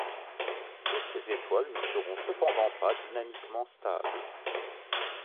Toutes ces étoiles ne seront cependant pas dynamiquement stables.